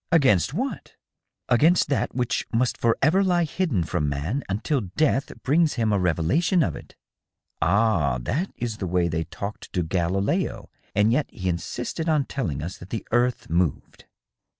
Against what?" " Against that which must forever lie hidden from man until death brings him a revelation of it." " Ah, that is the way they talked to Galileo, and yet he insisted on telling us that the earth moved."